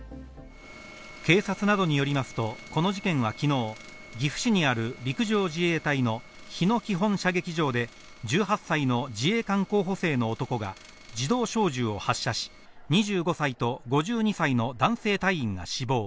警察などによりますと、この事件はきのう、岐阜市にある陸上自衛隊の日野基本射撃場で１８歳の自衛官候補生の男が自動小銃を発射し、２５歳と５２歳の男性隊員が死亡。